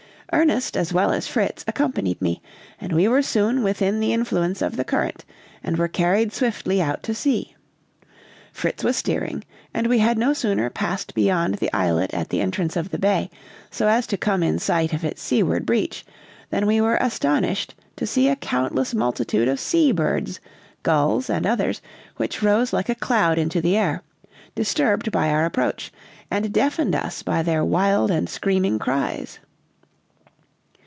Ernest, as well as Fritz, accompanied me, and we were soon within the influence of the current, and were carried swiftly out to sea. Fritz was steering, and we had no sooner passed beyond the islet at the entrance of the bay, so as to come in sight of its seaward beach, than we were astonished to see a countless multitude of sea birds, gulls, and others, which rose like a cloud into the air, disturbed by our approach, and deafened us by their wild and screaming cries.